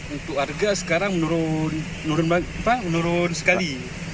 untuk harga sekarang menurun sekali